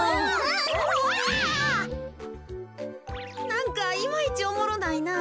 なんかいまいちおもろないな。